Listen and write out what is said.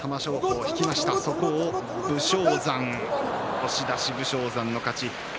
押し出し、武将山の勝ち